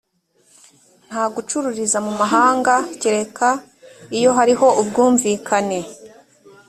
nta gucururiza mu mahanga keretse iyo hariho ubwumvikane